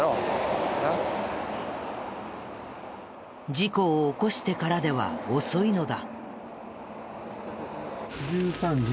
事故を起こしてからでは遅いのだ。